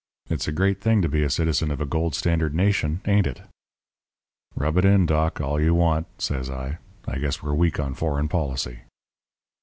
It's a great thing to be a citizen of a gold standard nation, ain't it?' "'Rub it in, Doc, all you want,' says I. 'I guess we're weak on foreign policy.'